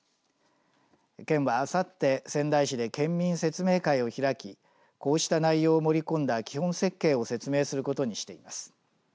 県はあさって仙台市で県民説明会を開きこうした内容を盛り込んだ基本設計を説明することにしています。